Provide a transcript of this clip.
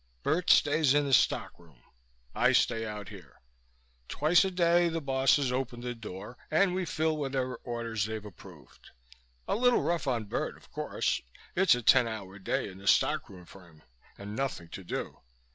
Bert stays in the stockroom; I stay out here; twice a day the bosses open the door and we fill whatever orders they've approved. A little rough on Bert, of course. It's a ten hour day in the stockroom for him, and nothing to do.